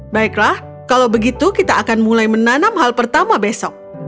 baiklah kalau begitu kita akan mulai menanam hal pertama besok